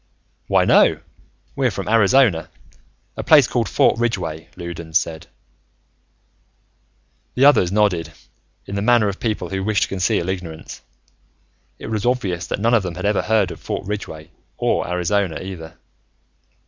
"Why, no, we're from Arizona. A place called Fort Ridgeway," Loudons said. The others nodded, in the manner of people who wish to conceal ignorance. It was obvious that none of them had ever heard of Fort Ridgeway, or Arizona either.